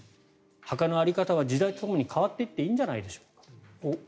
墓の在り方は時代とともに変わっていっていいんじゃないでしょうか。